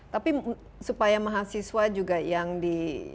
tapi supaya mahasiswa juga yang di